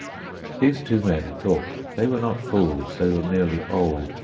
These two men talked. They were not fools, they were merely old.